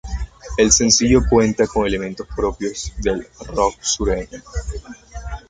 El sencillo cuenta con elementos propios del rock sureño.